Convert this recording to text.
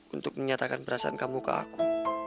untuk menyatakan perasaan kamu ke aku